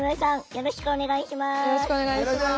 よろしくお願いします。